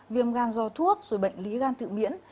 viêm gan do thuốc rồi bệnh lý gan tự miễn